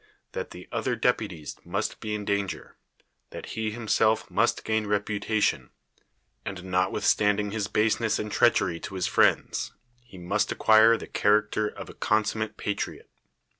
that the otht i deputies must be in (laiiLivf; that he hiinsclt must gain reputatio:; ; and notwithstanding \n> ■^U7 THE WORLD'S FAMOUS ORATIONS baseness and treachery to his friends, he must acquire the character of a consummate patriot.